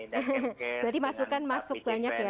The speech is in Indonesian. berarti masukan masuk banyak ya